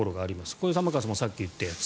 これ、玉川さんもさっき言ったやつ。